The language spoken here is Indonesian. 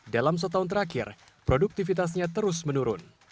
dalam setahun terakhir produktivitasnya terus menurun